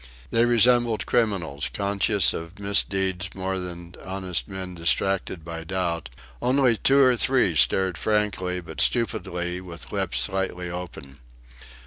They resembled criminals conscious of misdeeds more than honest men distracted by doubt; only two or three stared frankly, but stupidly, with lips slightly open.